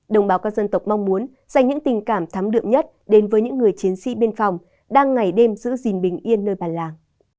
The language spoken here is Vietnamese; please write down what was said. đồng bào các dân tộc mong muốn dành những tình cảm thắm đượm nhất đến với những người chiến sĩ biên phòng đang ngày đêm giữ gìn bình yên nơi bản làng